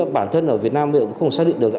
bản thân ở việt nam này cũng không xác định được